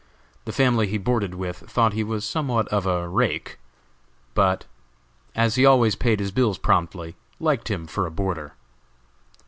The family he boarded with thought he was somewhat of a "rake," but as he always paid his bills promptly, liked him for a boarder.